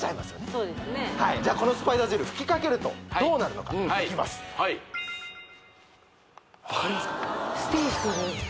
そうですねはいじゃあこのスパイダージェル吹きかけるとどうなるのかいきますはりつくんです